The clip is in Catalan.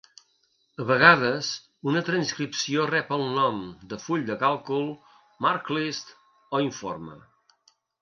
A vegades, una transcripció rep el nom de full de càlcul, marklist o informe.